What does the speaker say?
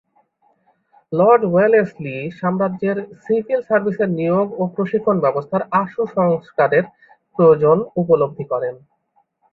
Lord Wellesley সাম্রাজ্যের civil সার্ভিসের নিয়োগ ও প্রশিক্ষণ ব্যবস্থার আশু সংস্কারের প্রয়োজন উপলব্ধি করেন।